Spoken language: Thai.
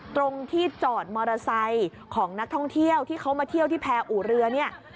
ตรงที่จอดมอเตอร์ไซค์ของนักท่องเที่ยวที่เขามาเที่ยวที่แพรอู่เรือเนี่ย